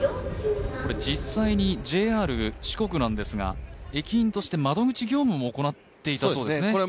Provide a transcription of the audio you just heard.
これ実際にＪＲ四国なんですが、駅員として窓口業務も行っていたそうですね。